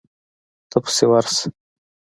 ته پسې ورشه.